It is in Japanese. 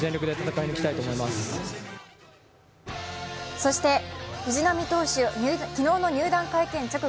そして藤浪投手、昨日の入団会見直後